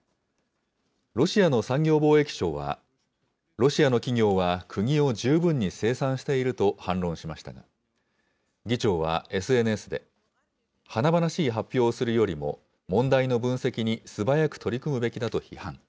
ロシアの産業貿易省は、ロシアの企業は、くぎを十分に生産していると反論しましたが、議長はＳＮＳで、華々しい発表をするよりも、問題の分析に素早く取り組むべきだと批判。